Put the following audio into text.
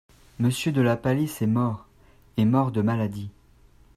Monsieur de la Palisse est mort… est mort de maladie…